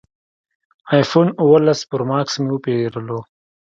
ایفون اوولس پرو ماکس مې وپېرلو